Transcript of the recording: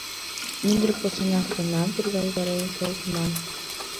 Мӱндыр посана-сотанам тӱргалтарен колтыман.